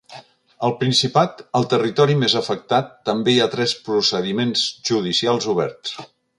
Al Principat, el territori més afectat, també hi ha tres procediments judicials oberts.